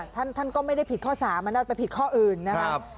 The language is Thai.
ท่านก็ไม่ได้ผิดข้อ๓มันน่าจะไปผิดข้ออื่นนะครับ